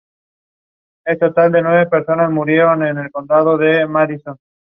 Las comunicaciones móviles aparecieron en la carretera Minsk-Brest-Orsha y en los asentamientos cercanos.